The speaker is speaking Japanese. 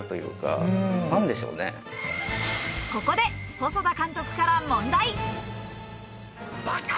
ここで細田監督から問題。